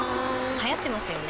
流行ってますよね